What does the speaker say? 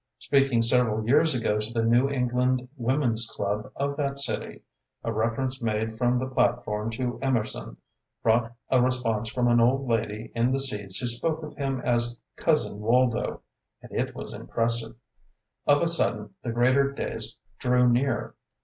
Speaking several years ago to the New England Women's Club of that city, a reference made from the platform to Emerson brought a response from an old lady in the seats who spoke of him as "cousin Waldo"; and it was impressive. Of a sudden, the greater days drew near.